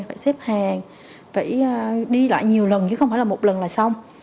phải xếp hàng phải đi lại nhiều lần chứ không phải là một lần là xong